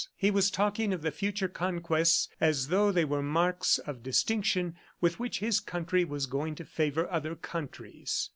He was talking of the future conquests as though they were marks of distinction with which his country was going to favor other countries.